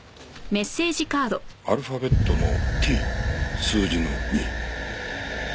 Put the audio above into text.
アルファベットのＴ数字の２。